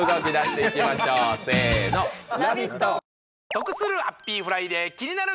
得するハッピーフライデーキニナル